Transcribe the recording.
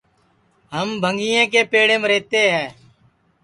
ہم بھنٚگیں کے پیڑیم رہتے ہے